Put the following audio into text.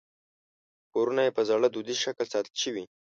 کورونه یې په زاړه دودیز شکل ساتل شوي.